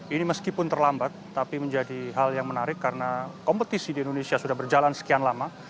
ini meskipun terlambat tapi menjadi hal yang menarik karena kompetisi di indonesia sudah berjalan sekian lama